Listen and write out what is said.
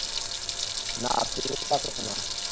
না, তুমি তা করছ না।